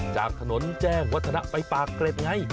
จากถนนแจ้งวัฒนะไปปากเกร็ดไง